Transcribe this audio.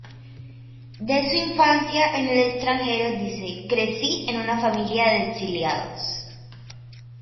De su infancia en el extranjero, dice: "Crecí en una familia de exiliados.